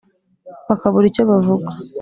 bakabura icyo bavuga